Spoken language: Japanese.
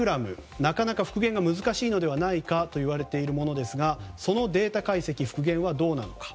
なかなか復元が難しいのではないかといわれているものですがそのデータ解析・復元はどうなのか。